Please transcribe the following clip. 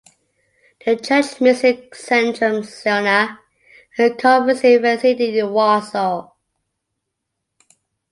The church meets in Centrum Zielna, a conferencing facility in Warsaw.